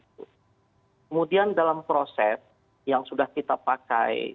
kemudian dalam proses yang sudah kita pakai